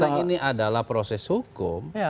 karena ini adalah proses hukum